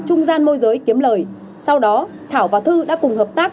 chú tại tp hồ chí minh